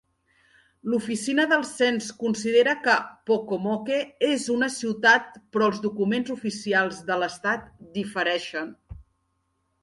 L'oficina del cens considera que Pocomoke és una ciutat, però els documents oficials de l'estat difereixen.